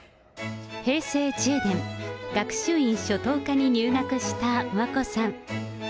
平成１０年、学習院初等科に入学した眞子さん。